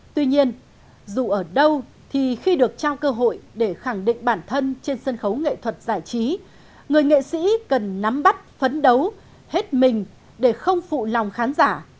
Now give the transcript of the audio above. tuy nhiên dù ở đâu thì khi được trao cơ hội để khẳng định bản thân trên sân khấu nghệ thuật giải trí người nghệ sĩ cần nắm bắt phấn đấu hết mình để không phụ lòng khán giả